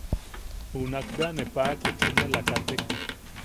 Junak bea ne paʼaku chunula katek.